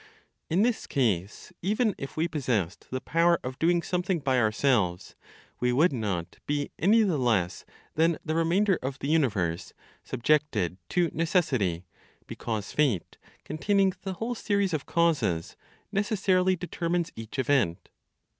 In this case, even if we possessed the power of doing something by ourselves, we would not be any the less than the remainder of the universe subjected to necessity, because Fate, containing the whole series of causes, necessarily determines each event.